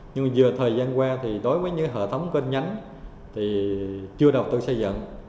nhưng giờ thời gian qua thì đối với những hệ thống kênh nhánh thì chưa đọc tư xây dựng